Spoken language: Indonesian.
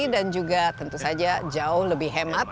dan juga tentu saja jauh lebih hemat